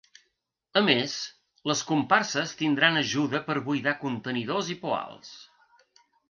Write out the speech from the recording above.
A més, les comparses tindran ajuda per a buidar contenidors i poals.